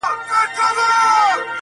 د خدای د عرش قهر د دواړو جهانونو زهر.